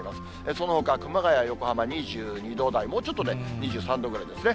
そのほか熊谷、横浜２２度台、もうちょっとで２３度ぐらいですね。